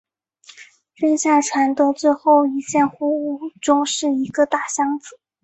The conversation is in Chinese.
扔下船的最后一件货物中是一个大箱子。